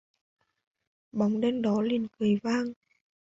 bóng đen đó liền cười vang